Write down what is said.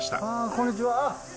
こんにちは。